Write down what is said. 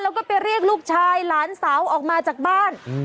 แล้วก็ไปเรียกลูกชายหลานสาวออกมาจากบ้าน